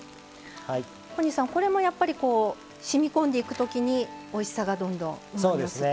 小西さんこれもやっぱりしみこんでいくときにおいしさがどんどんうまみが移って？